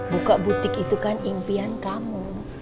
buka butik itu kan impian kamu